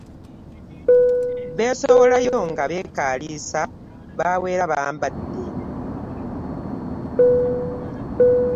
Beesowolayo nga beekaaliisa bawera bambadde.